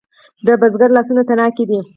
د بزګر لاسونه تڼاکې دي؟